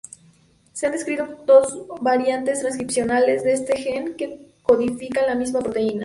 Se han descrito dos variantes transcripcionales de este gen que codifican la misma proteína.